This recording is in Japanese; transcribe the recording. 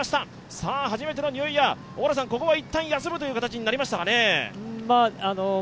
初めてのニューイヤー、ここはいったん休むという形になりましたかね？